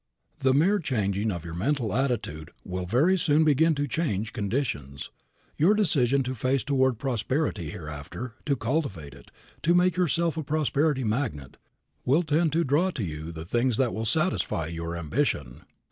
The mere changing of your mental attitude will very soon begin to change conditions. Your decision to face toward prosperity hereafter, to cultivate it, to make yourself a prosperity magnet will tend to draw to you the things that will satisfy your ambition.